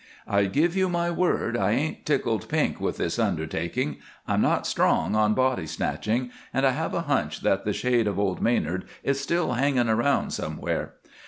"I give you my word I ain't tickled pink with this undertaking. I'm not strong on body snatching, and I have a hunch that the shade of old Manard is still hanging around somewhere.